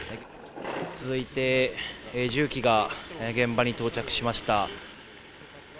続いて、重機が現場に到着しました。